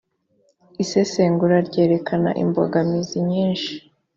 isesengura ryerekanye imbogamizi nyishii